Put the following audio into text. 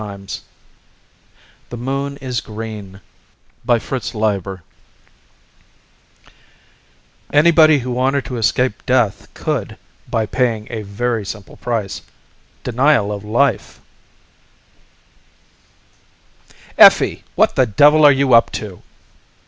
net THE MOON IS GREEN By FRITZ LEIBER Illustrated by DAVID STONE Anybody who wanted to escape death could, by paying a very simple price denial of life! "Effie! What the devil are you up to?"